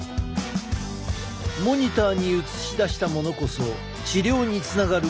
モニターに映し出したものこそ治療につながるキーアイテム！